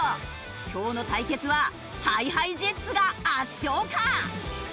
今日の対決はＨｉＨｉＪｅｔｓが圧勝か？